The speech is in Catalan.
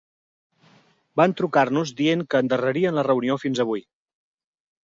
Van trucar-nos dient que endarrerien la reunió fins avui.